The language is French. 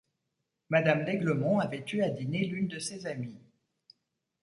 Madame d’Aiglemont avait eu à dîner l’une de ses amies.